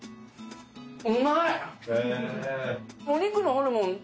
うまい！